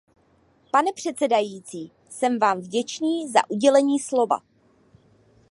Pane předsedající, jsem vám vděčný za udělení slova.